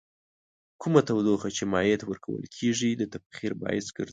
کومه تودوخه چې مایع ته ورکول کیږي د تبخیر باعث ګرځي.